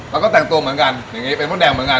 แล้วก็แต่งตัวเหมือนกันอย่างนี้เป็นมดแดงเหมือนกัน